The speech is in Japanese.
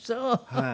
はい。